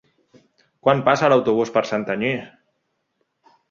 Quan passa l'autobús per Santanyí?